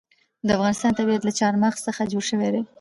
د افغانستان طبیعت له چار مغز څخه جوړ شوی دی.